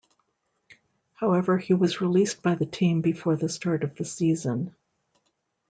However, he was released by the team before the start of the season.